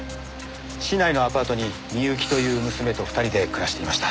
市内のアパートに美雪という娘と２人で暮らしていました。